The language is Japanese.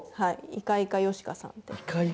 いかいかよしかさん。